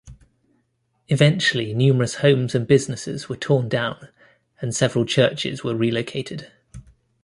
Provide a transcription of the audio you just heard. Eventually, numerous homes and businesses were torn down and several churches were relocated.